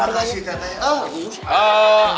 terima kasih katanya